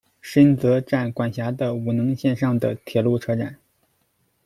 鲹泽站管辖的五能线上的铁路车站。